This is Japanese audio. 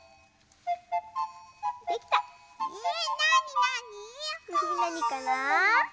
なにかな？